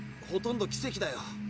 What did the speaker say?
ほとんど奇跡だよ。